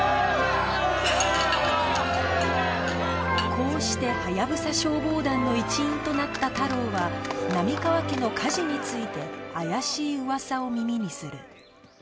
こうしてハヤブサ消防団の一員となった太郎は波川家の火事について怪しい噂を耳にする